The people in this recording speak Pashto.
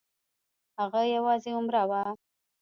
هغه یوازې عمره وه.